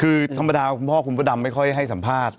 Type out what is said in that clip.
คือธรรมดาคุณพ่อคุณพระดำไม่ค่อยให้สัมภาษณ์